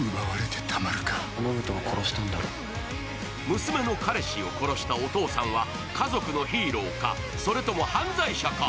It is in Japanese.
娘の彼氏を殺したお父さんは家族のヒーローか、それとも犯罪者か。